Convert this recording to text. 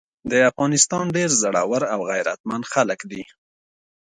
د افغانستان ډير زړور او غيرتمن خلګ دي۔